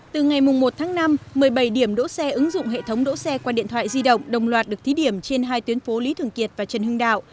từ ngày một tháng năm một mươi bảy điểm đỗ xe ứng dụng hệ thống đỗ xe qua điện thoại di động đồng loạt được thí điểm trên hai tuyến phố lý thường kiệt và trần hưng đạo